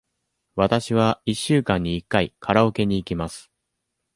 わたしは一週間に一回カラオケに行きます。